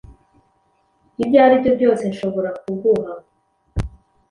ibyo aribyo byose nshobora kuguha